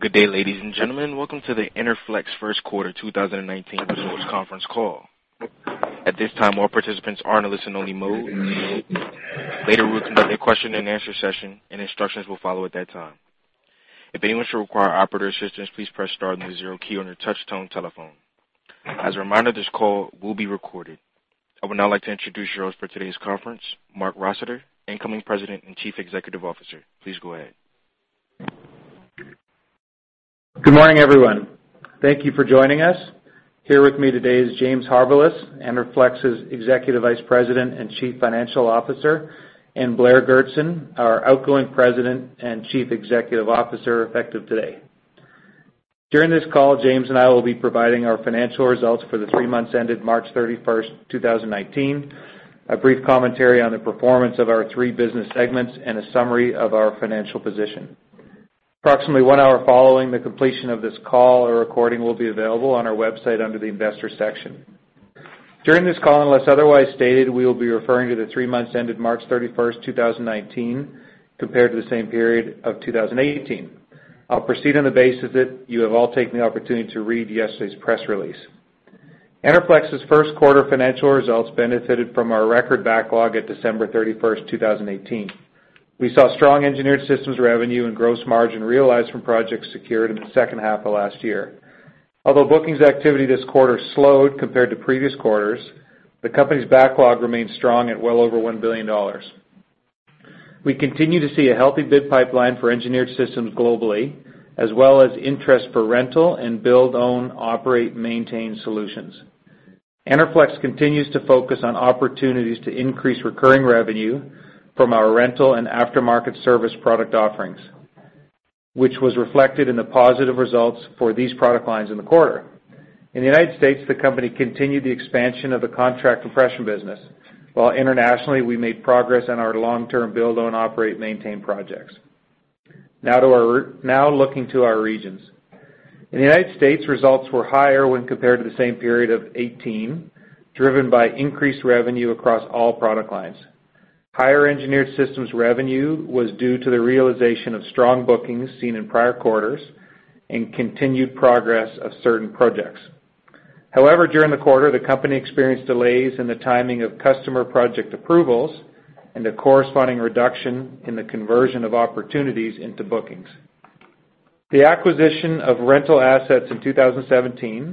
Good day, ladies and gentlemen. Welcome to the Enerflex first quarter 2019 results conference call. At this time, all participants are in a listen only mode. Later, we will conduct a question and answer session, and instructions will follow at that time. If anyone should require operator assistance, please press star then the zero key on your touchtone telephone. As a reminder, this call will be recorded. I would now like to introduce yours for today's conference, Marc Rossiter, incoming President and Chief Executive Officer. Please go ahead. Good morning, everyone. Thank you for joining us. Here with me today is James Harbilas, Enerflex's Executive Vice President and Chief Financial Officer, and Blair Goertzen, our outgoing President and Chief Executive Officer, effective today. During this call, James and I will be providing our financial results for the three months ended March 31st, 2019, a brief commentary on the performance of our three business segments, and a summary of our financial position. Approximately one hour following the completion of this call, a recording will be available on our website under the investor section. During this call, unless otherwise stated, we will be referring to the three months ended March 31st, 2019, compared to the same period of 2018. I will proceed on the basis that you have all taken the opportunity to read yesterday's press release. Enerflex's first quarter financial results benefited from our record backlog at December 31st, 2018. We saw strong Engineered Systems revenue and gross margin realized from projects secured in the second half of last year. Although bookings activity this quarter slowed compared to previous quarters, the company's backlog remains strong at well over 1 billion dollars. We continue to see a healthy bid pipeline for Engineered Systems globally, as well as interest for rental and Build-Own-Operate-Maintain solutions. Enerflex continues to focus on opportunities to increase recurring revenue from our rental and After-Market Services product offerings, which was reflected in the positive results for these product lines in the quarter. In the U.S., the company continued the expansion of the contract compression business, while internationally, we made progress on our long-term Build-Own-Operate-Maintain projects. Looking to our regions. In the U.S., results were higher when compared to the same period of 2018, driven by increased revenue across all product lines. Higher Engineered Systems revenue was due to the realization of strong bookings seen in prior quarters and continued progress of certain projects. However, during the quarter, the company experienced delays in the timing of customer project approvals and a corresponding reduction in the conversion of opportunities into bookings. The acquisition of rental assets in 2017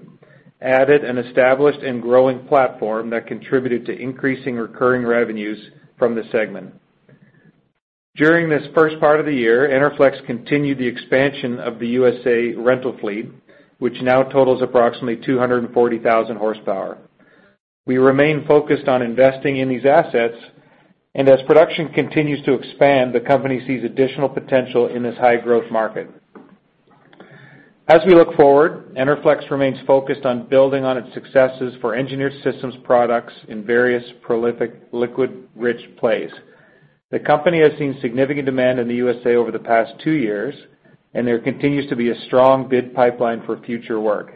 added an established and growing platform that contributed to increasing recurring revenues from the segment. During this first part of the year, Enerflex continued the expansion of the U.S.A. rental fleet, which now totals approximately 240,000 horsepower. We remain focused on investing in these assets, and as production continues to expand, the company sees additional potential in this high growth market. As we look forward, Enerflex remains focused on building on its successes for Engineered Systems products in various prolific liquid-rich plays. The company has seen significant demand in the U.S.A. over the past 2 years, and there continues to be a strong bid pipeline for future work.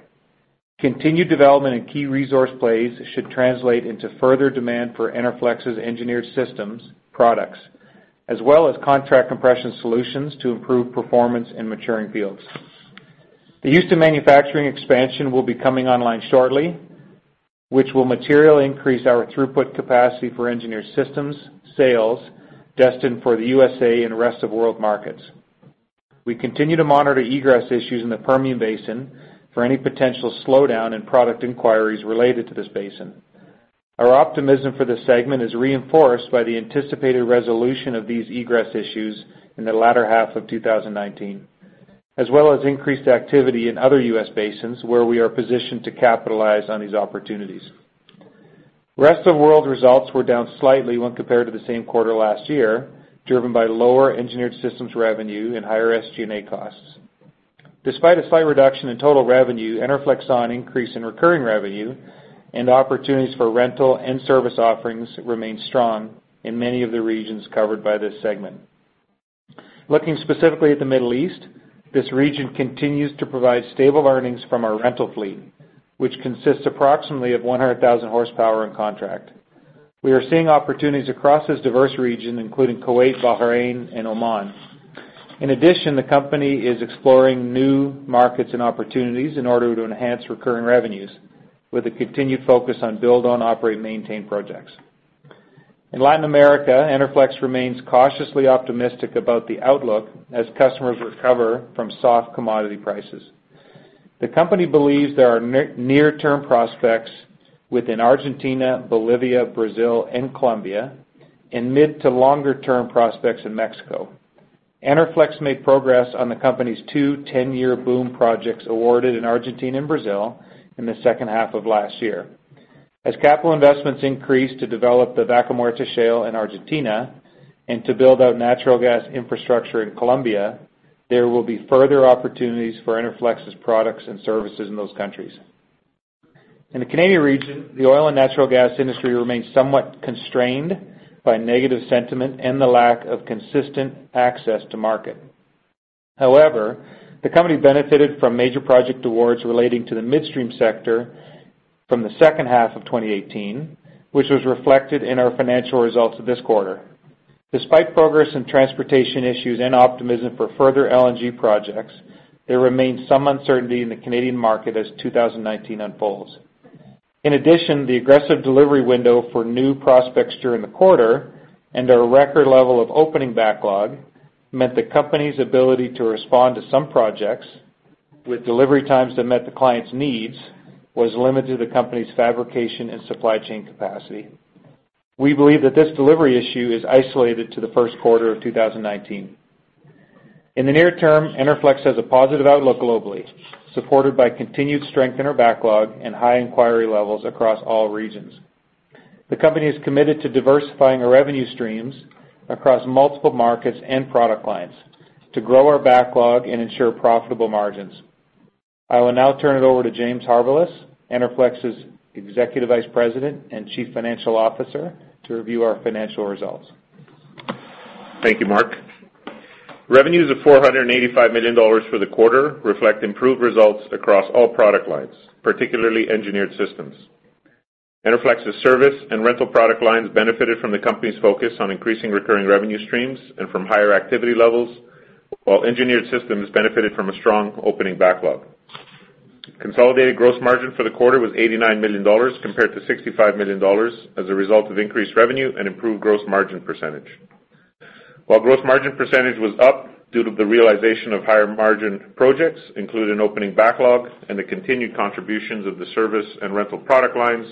Continued development in key resource plays should translate into further demand for Enerflex's Engineered Systems products, as well as contract compression solutions to improve performance in maturing fields. The Houston manufacturing expansion will be coming online shortly, which will materially increase our throughput capacity for Engineered Systems sales destined for the U.S.A. and Rest of World markets. We continue to monitor egress issues in the Permian Basin for any potential slowdown in product inquiries related to this basin. Our optimism for this segment is reinforced by the anticipated resolution of these egress issues in the latter half of 2019, as well as increased activity in other U.S. basins where we are positioned to capitalize on these opportunities. Rest of World results were down slightly when compared to the same quarter last year, driven by lower Engineered Systems revenue and higher SG&A costs. Despite a slight reduction in total revenue, Enerflex saw an increase in recurring revenue and opportunities for rental and service offerings remain strong in many of the regions covered by this segment. Looking specifically at the Middle East, this region continues to provide stable earnings from our rental fleet, which consists approximately of 100,000 horsepower and contract. We are seeing opportunities across this diverse region, including Kuwait, Bahrain and Oman. In addition, the company is exploring new markets and opportunities in order to enhance recurring revenues with a continued focus on Build-Own-Operate-Maintain projects. In Latin America, Enerflex remains cautiously optimistic about the outlook as customers recover from soft commodity prices. The company believes there are near-term prospects within Argentina, Bolivia, Brazil and Colombia, and mid to longer term prospects in Mexico. Enerflex made progress on the company's two 10-year BOOM projects awarded in Argentina and Brazil in the second half of last year. As capital investments increase to develop the Vaca Muerta shale in Argentina and to build out natural gas infrastructure in Colombia, there will be further opportunities for Enerflex's products and services in those countries. In the Canadian region, the oil and natural gas industry remains somewhat constrained by negative sentiment and the lack of consistent access to market. However, the company benefited from major project awards relating to the midstream sector from the second half of 2018, which was reflected in our financial results this quarter. Despite progress in transportation issues and optimism for further LNG projects, there remains some uncertainty in the Canadian market as 2019 unfolds. In addition, the aggressive delivery window for new prospects during the quarter and our record level of opening backlog meant the company's ability to respond to some projects with delivery times that met the client's needs was limited to the company's fabrication and supply chain capacity. We believe that this delivery issue is isolated to the first quarter of 2019. In the near term, Enerflex has a positive outlook globally, supported by continued strength in our backlog and high inquiry levels across all regions. The company is committed to diversifying our revenue streams across multiple markets and product lines to grow our backlog and ensure profitable margins. I will now turn it over to James Harbilas, Enerflex's Executive Vice President and Chief Financial Officer, to review our financial results. Thank you, Marc. Revenues of 485 million dollars for the quarter reflect improved results across all product lines, particularly Engineered Systems. Enerflex's service and rental product lines benefited from the company's focus on increasing recurring revenue streams and from higher activity levels, while Engineered Systems benefited from a strong opening backlog. Consolidated gross margin for the quarter was 89 million dollars, compared to 65 million dollars as a result of increased revenue and improved gross margin percentage. While gross margin percentage was up due to the realization of higher-margin projects, including opening backlog and the continued contributions of the service and rental product lines,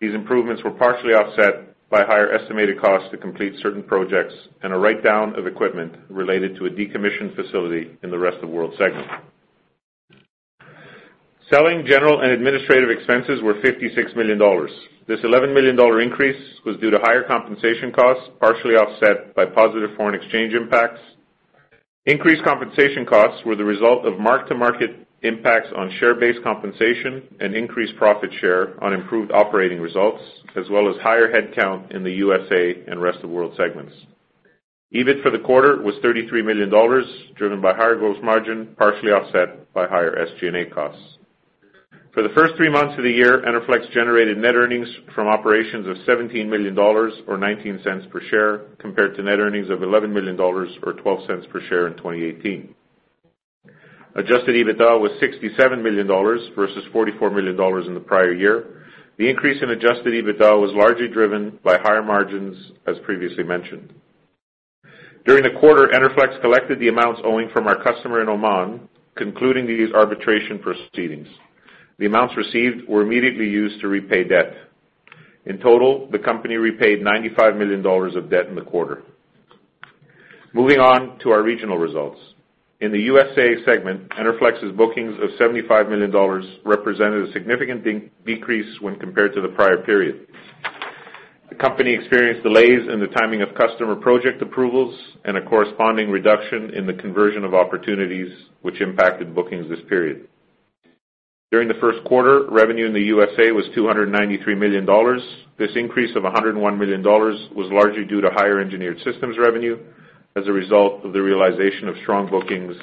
these improvements were partially offset by higher estimated costs to complete certain projects and a write-down of equipment related to a decommissioned facility in the Rest of World segment. Selling general and administrative expenses were 56 million dollars. This 11 million dollar increase was due to higher compensation costs, partially offset by positive foreign exchange impacts. Increased compensation costs were the result of mark-to-market impacts on share-based compensation and increased profit share on improved operating results, as well as higher headcount in the U.S.A. and Rest of World segments. EBIT for the quarter was 33 million dollars, driven by higher gross margin, partially offset by higher SG&A costs. For the first three months of the year, Enerflex generated net earnings from operations of 17 million dollars, or 0.19 per share, compared to net earnings of 11 million dollars, or 0.12 per share in 2018. Adjusted EBITDA was 67 million dollars versus 44 million dollars in the prior year. The increase in adjusted EBITDA was largely driven by higher margins, as previously mentioned. During the quarter, Enerflex collected the amounts owing from our customer in Oman, concluding these arbitration proceedings. The amounts received were immediately used to repay debt. In total, the company repaid 95 million dollars of debt in the quarter. Moving on to our regional results. In the U.S.A. segment, Enerflex's bookings of 75 million dollars represented a significant decrease when compared to the prior period. The company experienced delays in the timing of customer project approvals and a corresponding reduction in the conversion of opportunities, which impacted bookings this period. During the first quarter, revenue in the U.S.A. was 293 million dollars. This increase of 101 million dollars was largely due to higher Engineered Systems revenue as a result of the realization of strong bookings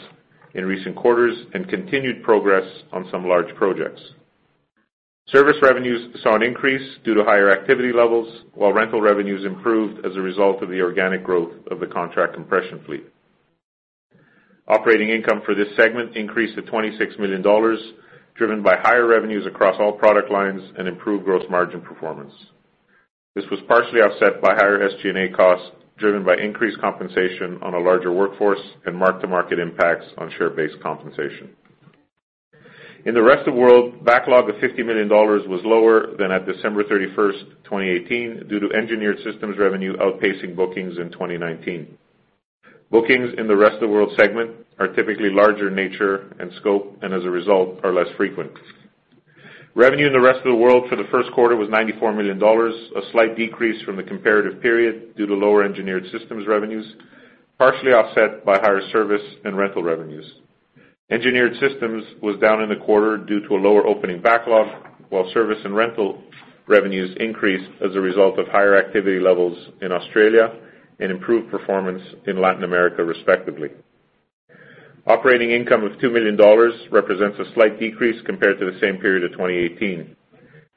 in recent quarters and continued progress on some large projects. Service revenues saw an increase due to higher activity levels, while rental revenues improved as a result of the organic growth of the contract compression fleet. Operating income for this segment increased to 26 million dollars, driven by higher revenues across all product lines and improved gross margin performance. This was partially offset by higher SG&A costs, driven by increased compensation on a larger workforce and mark-to-market impacts on share-based compensation. In the Rest of World, backlog of 50 million dollars was lower than at December 31st, 2018, due to Engineered Systems revenue outpacing bookings in 2019. Bookings in the Rest of World segment are typically larger in nature and scope, and as a result, are less frequent. Revenue in the Rest of World for the first quarter was 94 million dollars, a slight decrease from the comparative period due to lower Engineered Systems revenues, partially offset by higher service and rental revenues. Engineered Systems was down in the quarter due to a lower opening backlog, while service and rental revenues increased as a result of higher activity levels in Australia and improved performance in Latin America, respectively. Operating income of 2 million dollars represents a slight decrease compared to the same period of 2018.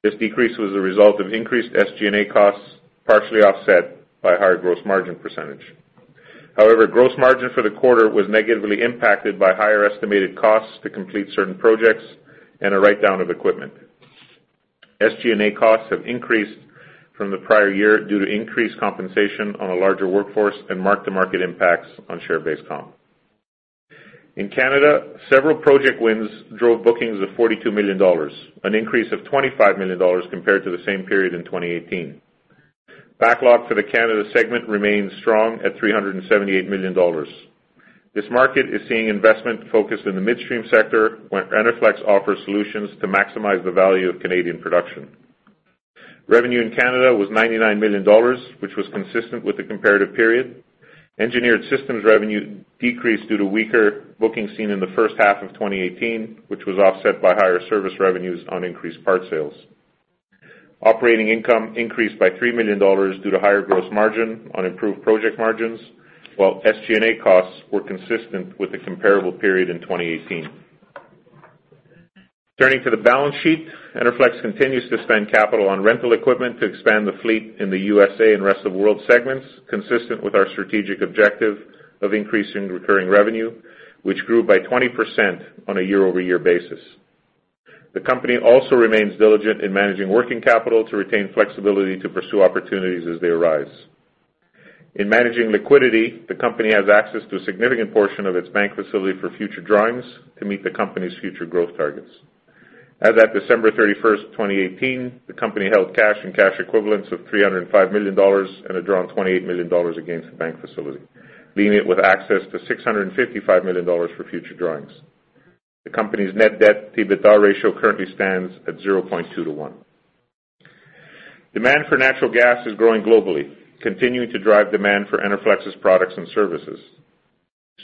This decrease was a result of increased SG&A costs, partially offset by higher gross margin percentage. However, gross margin for the quarter was negatively impacted by higher estimated costs to complete certain projects and a write-down of equipment. SG&A costs have increased from the prior year due to increased compensation on a larger workforce and mark-to-market impacts on share-based comp. In Canada, several project wins drove bookings of 42 million dollars, an increase of 25 million dollars compared to the same period in 2018. Backlog for the Canada segment remains strong at 378 million dollars. This market is seeing investment focused in the midstream sector, where Enerflex offers solutions to maximize the value of Canadian production. Revenue in Canada was 99 million dollars, which was consistent with the comparative period. Engineered Systems revenue decreased due to weaker bookings seen in the first half of 2018, which was offset by higher service revenues on increased part sales. Operating income increased by 3 million dollars due to higher gross margin on improved project margins, while SG&A costs were consistent with the comparable period in 2018. Turning to the balance sheet, Enerflex continues to spend capital on rental equipment to expand the fleet in the USA and Rest of World segments, consistent with our strategic objective of increasing recurring revenue, which grew by 20% on a year-over-year basis. The company also remains diligent in managing working capital to retain flexibility to pursue opportunities as they arise. In managing liquidity, the company has access to a significant portion of its bank facility for future drawings to meet the company's future growth targets. As at December 31st, 2018, the company held cash and cash equivalents of 305 million dollars and had drawn 28 million dollars against the bank facility, leaving it with access to 655 million dollars for future drawings. The company's net debt to EBITDA ratio currently stands at 0.2 to one. Demand for natural gas is growing globally, continuing to drive demand for Enerflex's products and services.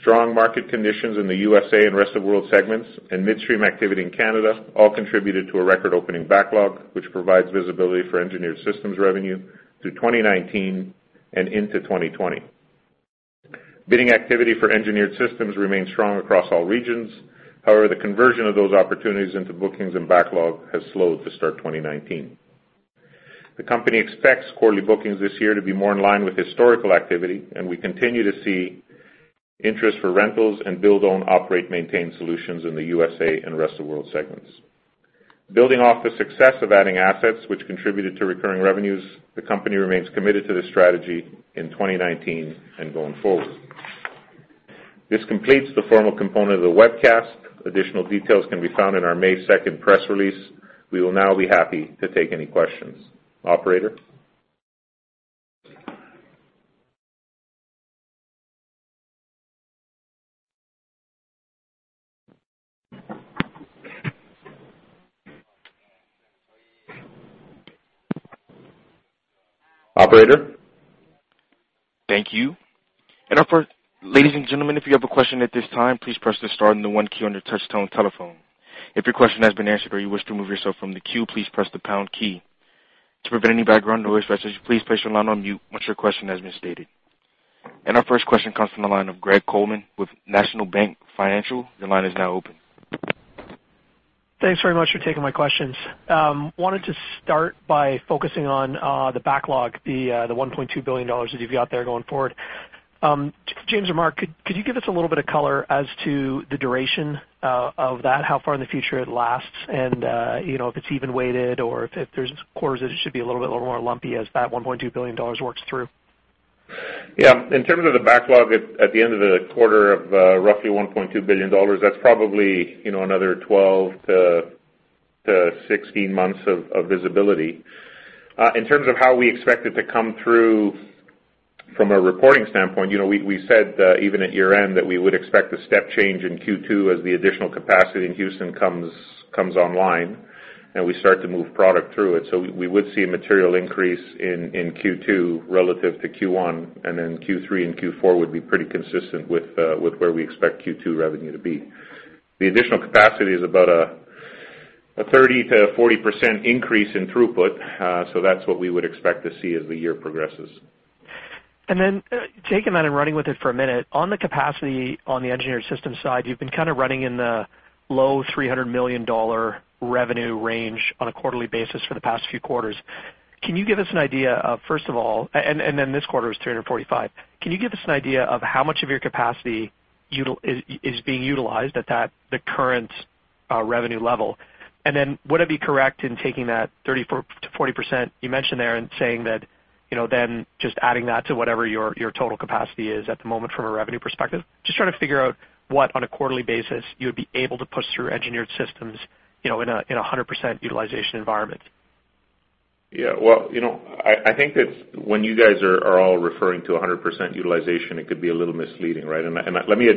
Strong market conditions in the USA and Rest of World segments and midstream activity in Canada all contributed to a record-opening backlog, which provides visibility for Engineered Systems revenue through 2019 and into 2020. Bidding activity for Engineered Systems remains strong across all regions. However, the conversion of those opportunities into bookings and backlog has slowed to start 2019. The company expects quarterly bookings this year to be more in line with historical activity, we continue to see interest for rentals and Build-Own-Operate-Maintain solutions in the USA and Rest of World segments. Building off the success of adding assets which contributed to recurring revenues, the company remains committed to this strategy in 2019 and going forward. This completes the formal component of the webcast. Additional details can be found in our May 2nd press release. We will now be happy to take any questions. Operator? Operator? Thank you. Ladies and gentlemen, if you have a question at this time, please press the star and the one key on your touchtone telephone. If your question has been answered or you wish to remove yourself from the queue, please press the pound key. To prevent any background noise, message please place your line on mute once your question has been stated. Our first question comes from the line of Greg Colman with National Bank Financial. Your line is now open. Thanks very much for taking my questions. Wanted to start by focusing on the backlog, the 1.2 billion dollars that you've got there going forward. James or Marc, could you give us a little bit of color as to the duration of that, how far in the future it lasts and if it's even weighted or if there's quarters that it should be a little bit more lumpy as that 1.2 billion dollars works through? Yeah. In terms of the backlog at the end of the quarter of roughly 1.2 billion dollars, that's probably another 12 to 16 months of visibility. In terms of how we expect it to come through from a reporting standpoint, we said even at year-end that we would expect a step change in Q2 as the additional capacity in Houston comes online and we start to move product through it. So we would see a material increase in Q2 relative to Q1, and then Q3 and Q4 would be pretty consistent with where we expect Q2 revenue to be. The additional capacity is about a 30%-40% increase in throughput. So that's what we would expect to see as the year progresses. Taking that and running with it for a minute, on the capacity on the Engineered Systems side, you've been kind of running in the low 300 million dollar revenue range on a quarterly basis for the past few quarters. First of all, this quarter was 345 million. Can you give us an idea of how much of your capacity is being utilized at the current revenue level? Would it be correct in taking that 30%-40% you mentioned there and saying that just adding that to whatever your total capacity is at the moment from a revenue perspective? Just trying to figure out what, on a quarterly basis, you would be able to push through Engineered Systems in 100% utilization environment. Well, I think that when you guys are all referring to 100% utilization, it could be a little misleading, right? Let me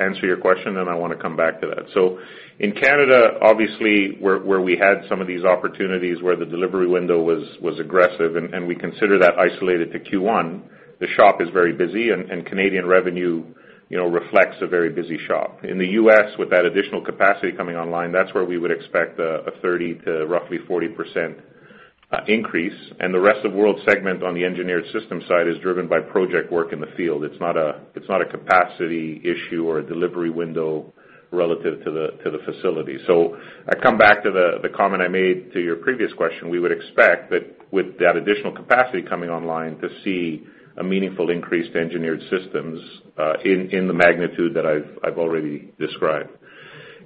answer your question, then I want to come back to that. In Canada, obviously, where we had some of these opportunities where the delivery window was aggressive and we consider that isolated to Q1, the shop is very busy and Canadian revenue reflects a very busy shop. In the U.S., with that additional capacity coming online, that's where we would expect a 30%-40% increase, and the Rest of World segment on the Engineered Systems side is driven by project work in the field. It's not a capacity issue or a delivery window relative to the facility. I come back to the comment I made to your previous question. We would expect that with that additional capacity coming online to see a meaningful increase to Engineered Systems in the magnitude that I've already described.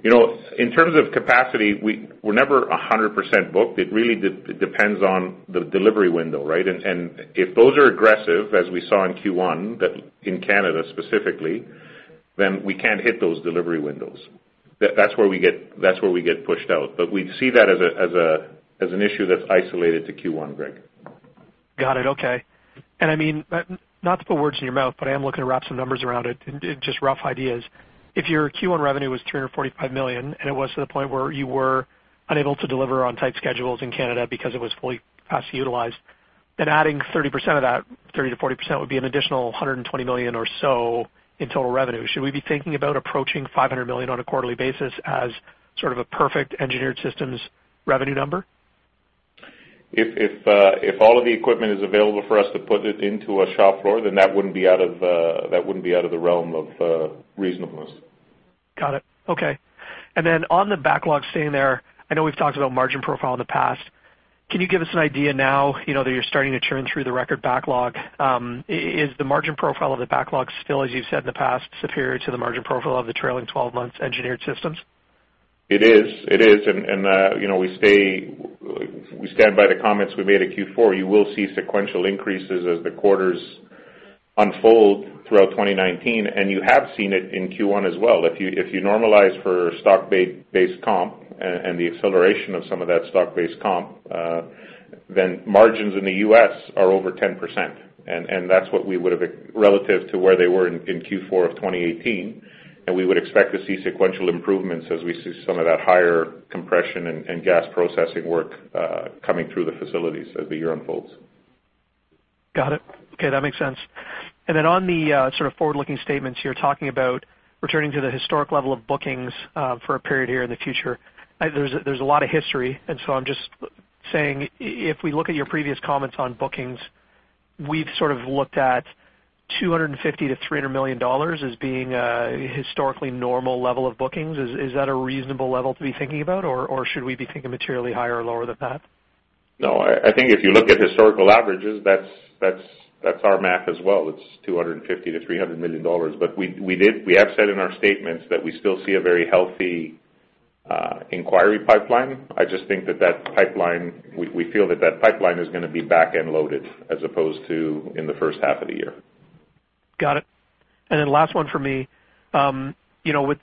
In terms of capacity, we're never 100% booked. It really depends on the delivery window, right? If those are aggressive, as we saw in Q1 in Canada specifically, then we can't hit those delivery windows. That's where we get pushed out. We see that as an issue that's isolated to Q1, Greg. Got it. Okay. I mean, not to put words in your mouth, but I am looking to wrap some numbers around it and just rough ideas. If your Q1 revenue was 345 million and it was to the point where you were unable to deliver on tight schedules in Canada because it was fully capacity utilized, then adding 30% of that, 30%-40% would be an additional 120 million or so in total revenue. Should we be thinking about approaching 500 million on a quarterly basis as sort of a perfect Engineered Systems revenue number? If all of the equipment is available for us to put it into a shop floor, then that wouldn't be out of the realm of reasonableness. Got it. Okay. On the backlog staying there, I know we've talked about margin profile in the past. Can you give us an idea now that you're starting to churn through the record backlog? Is the margin profile of the backlog still, as you've said in the past, superior to the margin profile of the trailing 12 months Engineered Systems? It is. We stand by the comments we made at Q4. You will see sequential increases as the quarters unfold throughout 2019, and you have seen it in Q1 as well. If you normalize for stock-based comp and the acceleration of some of that stock-based comp, then margins in the U.S. are over 10%. That's what we would have expected relative to where they were in Q4 of 2018, we would expect to see sequential improvements as we see some of that higher compression and gas processing work coming through the facilities as the year unfolds. Got it. Okay, that makes sense. On the sort of forward-looking statements, you're talking about returning to the historic level of bookings for a period here in the future. There's a lot of history, I'm just saying, if we look at your previous comments on bookings, we've sort of looked at 250 million-300 million dollars as being a historically normal level of bookings. Is that a reasonable level to be thinking about, or should we be thinking materially higher or lower than that? No, I think if you look at historical averages, that's our math as well. It's 250 million to 300 million dollars. We have said in our statements that we still see a very healthy inquiry pipeline. We feel that that pipeline is going to be back-end loaded as opposed to in the first half of the year. Got it. Last one for me. With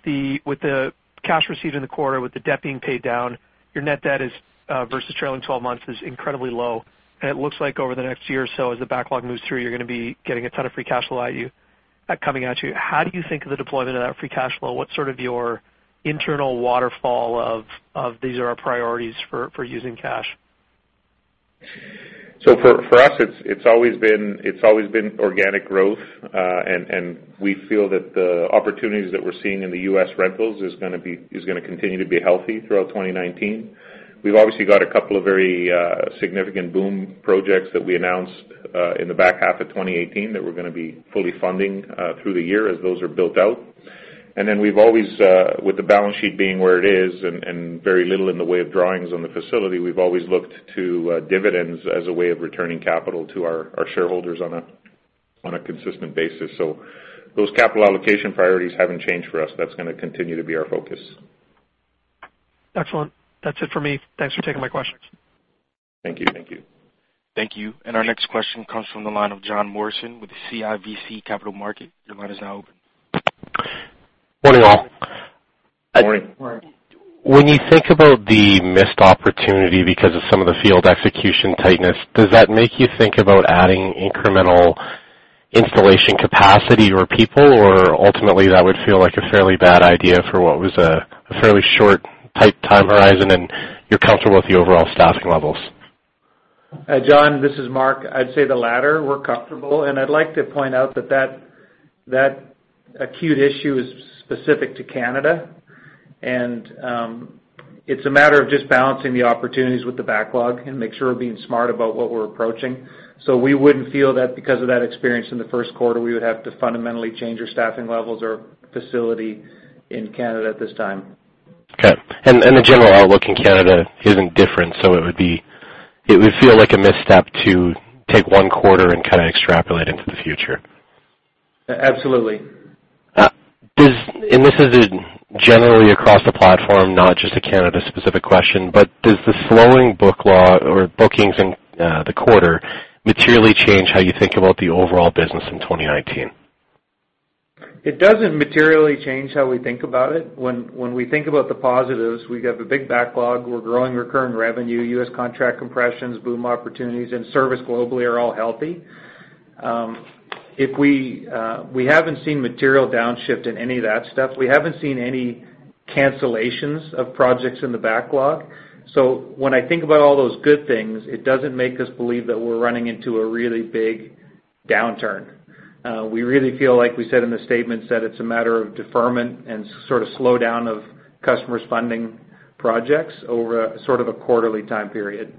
the cash received in the quarter, with the debt being paid down, your net debt to EBITDA is incredibly low, and it looks like over the next year or so, as the backlog moves through, you're going to be getting a ton of free cash flow coming at you. How do you think of the deployment of that free cash flow? What's sort of your internal waterfall of these are our priorities for using cash? For us, it's always been organic growth. We feel that the opportunities that we're seeing in the U.S. rentals is going to continue to be healthy throughout 2019. We've obviously got a couple of very significant BOOM projects that we announced in the back half of 2018 that we're going to be fully funding through the year as those are built out. With the balance sheet being where it is and very little in the way of drawings on the facility, we've always looked to dividends as a way of returning capital to our shareholders on a consistent basis. Those capital allocation priorities haven't changed for us. That's going to continue to be our focus. Excellent. That's it for me. Thanks for taking my questions. Thank you. Thank you. Our next question comes from the line of Jon Morrison with CIBC Capital Markets. Your line is now open. Morning, all. Morning. When you think about the missed opportunity because of some of the field execution tightness, does that make you think about adding incremental installation capacity or people? Ultimately, that would feel like a fairly bad idea for what was a fairly short, tight time horizon, and you're comfortable with the overall staffing levels? Jon, this is Marc. I'd say the latter. We're comfortable. I'd like to point out that that acute issue is specific to Canada, and it's a matter of just balancing the opportunities with the backlog and make sure we're being smart about what we're approaching. We wouldn't feel that because of that experience in the first quarter, we would have to fundamentally change our staffing levels or facility in Canada at this time. Okay. The general outlook in Canada isn't different, it would feel like a misstep to take one quarter and kind of extrapolate into the future. Absolutely. This is generally across the platform, not just a Canada-specific question, does the slowing bookings in the quarter materially change how you think about the overall business in 2019? It doesn't materially change how we think about it. When we think about the positives, we have a big backlog. We're growing recurring revenue, U.S. contract compressions, BOOM opportunities, and service globally are all healthy. We haven't seen material downshift in any of that stuff. We haven't seen any cancellations of projects in the backlog. When I think about all those good things, it doesn't make us believe that we're running into a really big downturn. We really feel, like we said in the statement, that it's a matter of deferment and sort of slowdown of customers funding projects over a sort of a quarterly time period.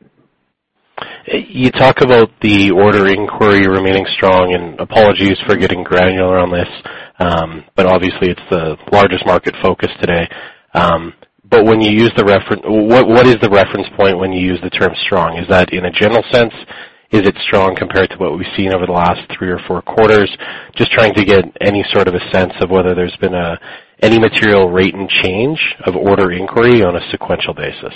Apologies for getting granular on this, but obviously it's the largest market focus today. What is the reference point when you use the term strong? Is that in a general sense? Is it strong compared to what we've seen over the last three or four quarters? Just trying to get any sort of a sense of whether there's been any material rate and change of order inquiry on a sequential basis.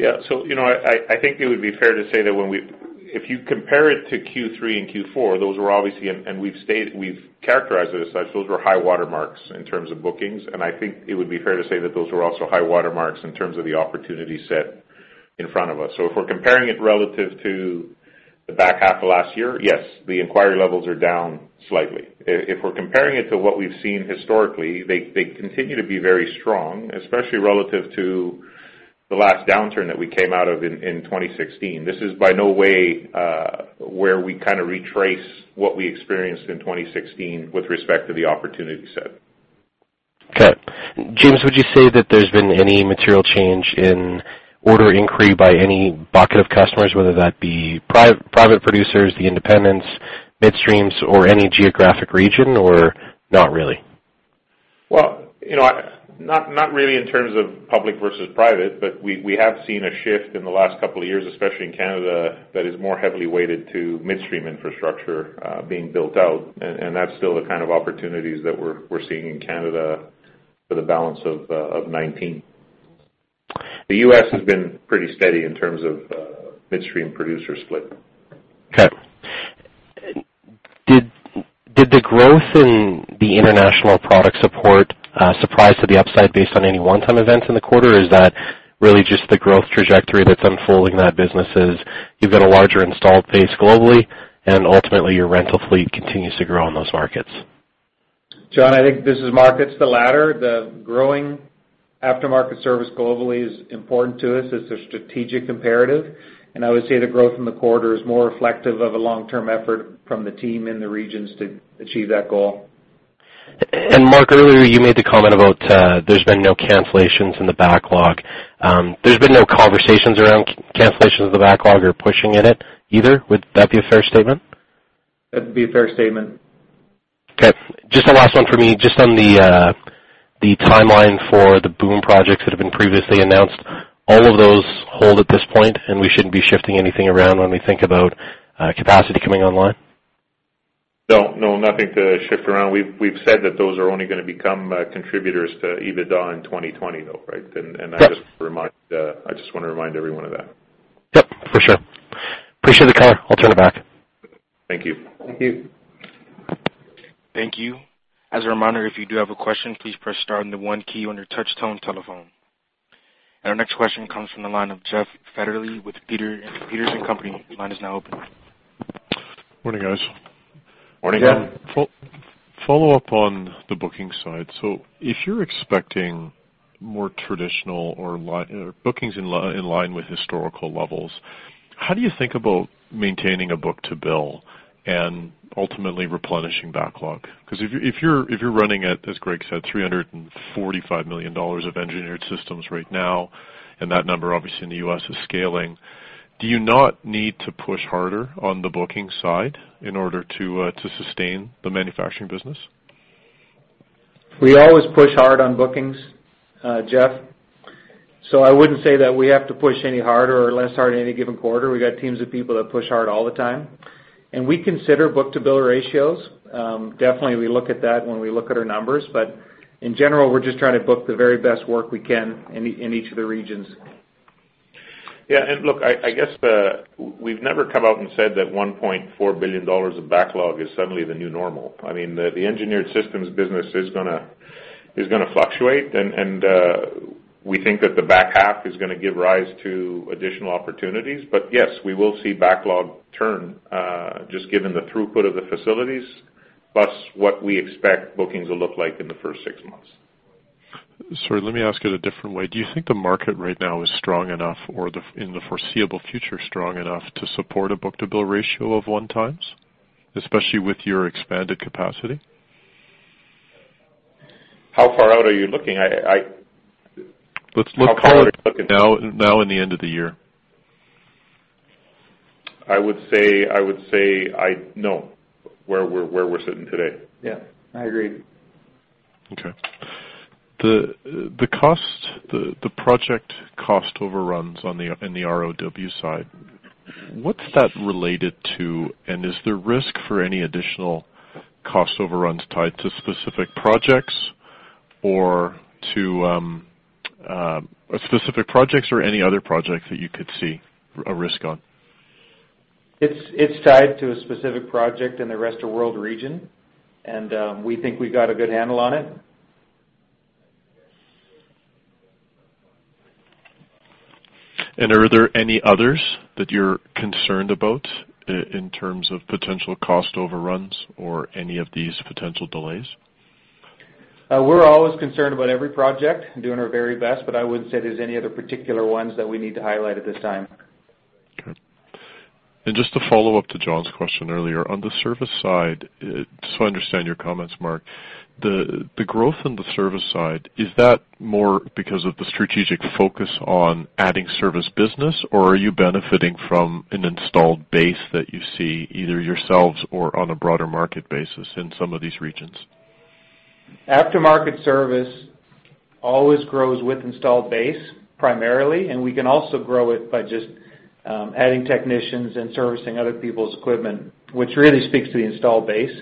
I think it would be fair to say that if you compare it to Q3 and Q4, we've characterized it as such, those were high water marks in terms of bookings, I think it would be fair to say that those were also high water marks in terms of the opportunity set in front of us. If we're comparing it relative to the back half of last year, yes, the inquiry levels are down slightly. If we're comparing it to what we've seen historically, they continue to be very strong, especially relative to the last downturn that we came out of in 2016. This is by no way where we kind of retrace what we experienced in 2016 with respect to the opportunity set. James, would you say that there's been any material change in order inquiry by any bucket of customers, whether that be private producers, the independents, midstreams, or any geographic region, or not really? Not really in terms of public versus private, we have seen a shift in the last couple of years, especially in Canada, that is more heavily weighted to midstream infrastructure being built out, that's still the kind of opportunities that we're seeing in Canada for the balance of 2019. The U.S. has been pretty steady in terms of midstream producer split. Okay. Did the growth in the international product support surprise to the upside based on any one-time events in the quarter, or is that really just the growth trajectory that's unfolding that businesses, you've got a larger installed base globally and ultimately your rental fleet continues to grow in those markets? Jon, I think this is markets, the latter. The growing After-Market Services globally is important to us as a strategic imperative, I would say the growth in the quarter is more reflective of a long-term effort from the team in the regions to achieve that goal. Marc, earlier you made the comment about there's been no cancellations in the backlog. There's been no conversations around cancellations of the backlog or pushing in it either. Would that be a fair statement? That'd be a fair statement. Okay. Just the last one for me. Just on the timeline for the BOOM projects that have been previously announced, all of those hold at this point, and we shouldn't be shifting anything around when we think about capacity coming online? No, nothing to shift around. We've said that those are only going to become contributors to EBITDA in 2020, though, right? Yes. I just want to remind everyone of that. Yep, for sure. Appreciate the color. I'll turn it back. Thank you. Thank you. Thank you. As a reminder, if you do have a question, please press star and the one key on your touch-tone telephone. Our next question comes from the line of Jeff Fetterly with Peters & Co. Limited. Line is now open. Morning, guys. Morning. Yeah. Follow-up on the booking side. If you're expecting more traditional or bookings in line with historical levels, how do you think about maintaining a book-to-bill and ultimately replenishing backlog? Because if you're running at, as Greg said, 345 million dollars of Engineered Systems right now, and that number obviously in the U.S. is scaling, do you not need to push harder on the booking side in order to sustain the manufacturing business? We always push hard on bookings, Jeff. I wouldn't say that we have to push any harder or less hard any given quarter. We got teams of people that push hard all the time, and we consider book-to-bill ratios. Definitely, we look at that when we look at our numbers. In general, we're just trying to book the very best work we can in each of the regions. Yeah. Look, I guess we've never come out and said that 1.4 billion dollars of backlog is suddenly the new normal. I mean, the Engineered Systems business is going to fluctuate, and we think that the back half is going to give rise to additional opportunities. Yes, we will see backlog turn just given the throughput of the facilities, plus what we expect bookings will look like in the first six months. Sorry, let me ask it a different way. Do you think the market right now is strong enough or in the foreseeable future strong enough to support a book-to-bill ratio of one times, especially with your expanded capacity? How far out are you looking? Let's look now and the end of the year. I would say no, where we're sitting today. Yeah, I agree. Okay. The project cost overruns in the ROW side, what's that related to, and is there risk for any additional cost overruns tied to specific projects or any other projects that you could see a risk on? It's tied to a specific project in the Rest of World region. We think we got a good handle on it. Are there any others that you're concerned about in terms of potential cost overruns or any of these potential delays? We're always concerned about every project and doing our very best. I wouldn't say there's any other particular ones that we need to highlight at this time. Okay. Just to follow up to Jon's question earlier, on the service side, just so I understand your comments, Marc, the growth in the service side, is that more because of the strategic focus on adding service business, or are you benefiting from an installed base that you see either yourselves or on a broader market basis in some of these regions? After-Market Services always grows with installed base primarily. We can also grow it by just adding technicians and servicing other people's equipment, which really speaks to the installed base.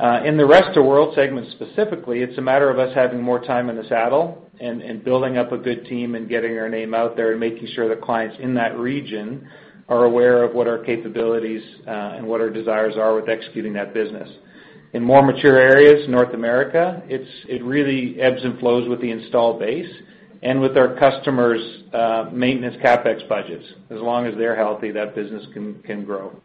In the Rest of World segment specifically, it's a matter of us having more time in the saddle and building up a good team and getting our name out there and making sure the clients in that region are aware of what our capabilities and what our desires are with executing that business. In more mature areas, North America, it really ebbs and flows with the installed base and with our customers' maintenance CapEx budgets. As long as they're healthy, that business can grow.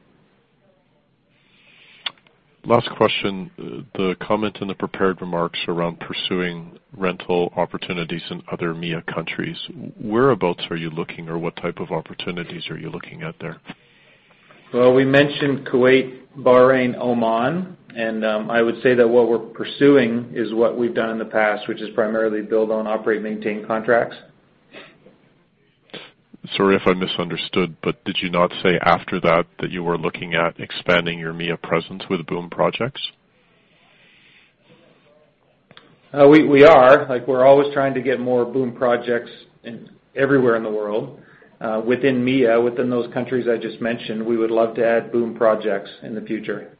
Last question. The comment in the prepared remarks around pursuing rental opportunities in other MEA countries, whereabouts are you looking or what type of opportunities are you looking at there? Well, we mentioned Kuwait, Bahrain, Oman. I would say that what we're pursuing is what we've done in the past, which is primarily Build-Own-Operate-Maintain contracts. Sorry if I misunderstood, did you not say after that you were looking at expanding your MEA presence with BOOM projects? We are. We're always trying to get more BOOM projects everywhere in the world. Within MEA, within those countries I just mentioned, we would love to add BOOM projects in the future.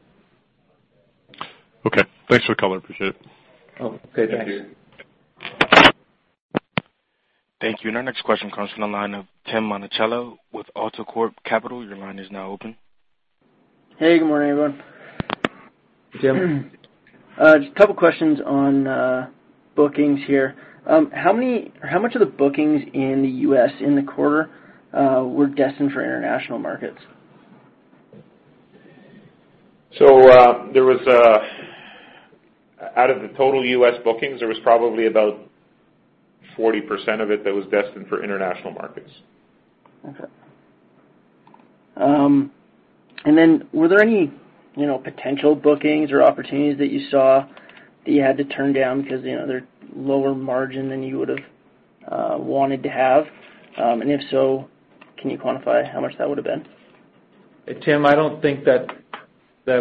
Okay. Thanks for the color. Appreciate it. Okay. Thanks. Thank you. Thank you. Our next question comes from the line of Tim Monachello with ATB Capital Markets. Your line is now open. Hey, good morning, everyone. Tim. Just a couple of questions on bookings here. How much of the bookings in the U.S. in the quarter were destined for international markets? Out of the total U.S. bookings, there was probably about 40% of it that was destined for international markets. Okay. Were there any potential bookings or opportunities that you saw that you had to turn down because they're lower margin than you would've wanted to have? If so, can you quantify how much that would've been? Tim, I don't think that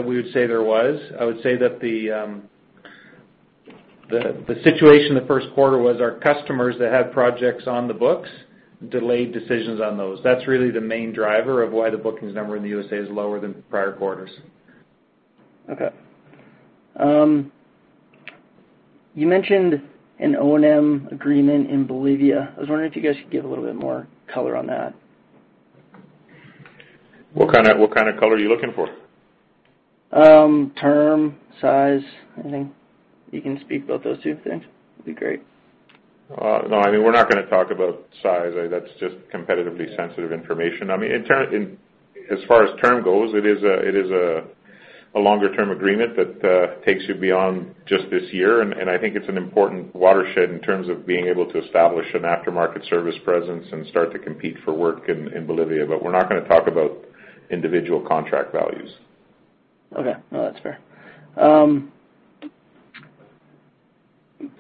we would say there was. I would say that the situation the first quarter was our customers that had projects on the books delayed decisions on those. That's really the main driver of why the bookings number in the USA is lower than prior quarters. Okay. You mentioned an O&M agreement in Bolivia. I was wondering if you guys could give a little bit more color on that. What kind of color are you looking for? Term, size, anything. You can speak about those two things, that'd be great. We're not going to talk about size. That's just competitively sensitive information. As far as term goes, it is a longer-term agreement that takes you beyond just this year, I think it's an important watershed in terms of being able to establish an After-Market Services presence and start to compete for work in Bolivia. We're not going to talk about individual contract values. That's fair.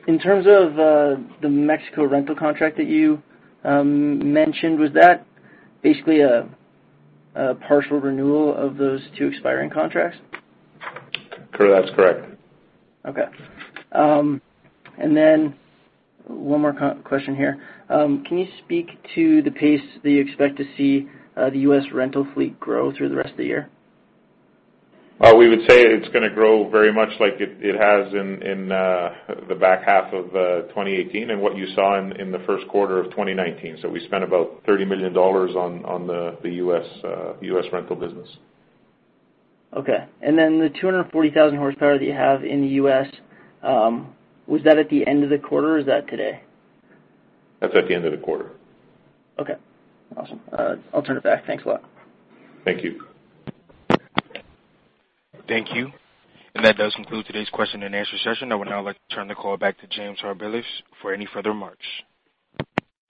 In terms of the Mexico rental contract that you mentioned, was that basically a partial renewal of those two expiring contracts? That's correct. Okay. One more question here. Can you speak to the pace that you expect to see the U.S. rental fleet grow through the rest of the year? We would say it's going to grow very much like it has in the back half of 2018 and what you saw in the first quarter of 2019. We spent about 30 million dollars on the U.S. rental business. Okay. The 240,000 horsepower that you have in the U.S., was that at the end of the quarter or is that today? That's at the end of the quarter. Okay. Awesome. I'll turn it back. Thanks a lot. Thank you. Thank you. That does conclude today's question and answer session. I would now like to turn the call back to James or Blair Bilmes for any further remarks.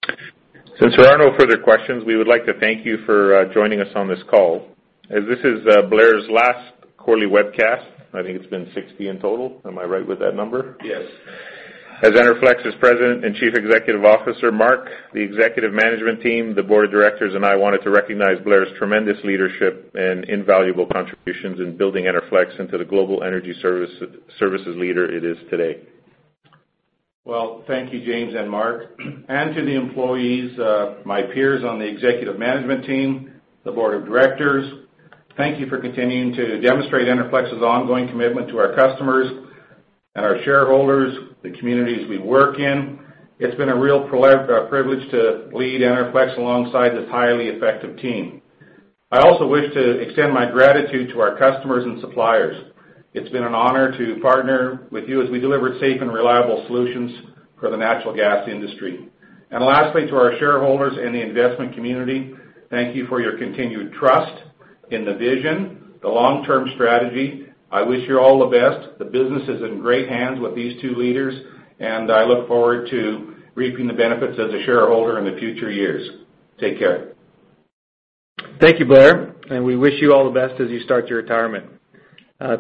Since there are no further questions, we would like to thank you for joining us on this call. As this is Blair's last quarterly webcast, I think it's been 60 in total. Am I right with that number? Yes. As Enerflex's President and Chief Executive Officer, Marc, the executive management team, the board of directors, and I wanted to recognize Blair's tremendous leadership and invaluable contributions in building Enerflex into the global energy services leader it is today. Well, thank you, James and Marc. To the employees, my peers on the executive management team, the board of directors, thank you for continuing to demonstrate Enerflex's ongoing commitment to our customers and our shareholders, the communities we work in. It's been a real privilege to lead Enerflex alongside this highly effective team. I also wish to extend my gratitude to our customers and suppliers. It's been an honor to partner with you as we delivered safe and reliable solutions for the natural gas industry. Lastly, to our shareholders and the investment community, thank you for your continued trust in the vision, the long-term strategy. I wish you all the best. The business is in great hands with these two leaders, I look forward to reaping the benefits as a shareholder in the future years. Take care. Thank you, Blair, We wish you all the best as you start your retirement.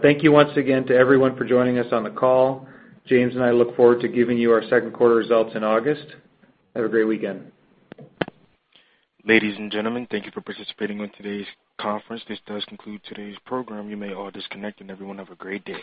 Thank you once again to everyone for joining us on the call. James and I look forward to giving you our second quarter results in August. Have a great weekend. Ladies and gentlemen, thank you for participating in today's conference. This does conclude today's program. You may all disconnect, and everyone have a great day.